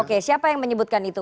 oke siapa yang menyebutkan itu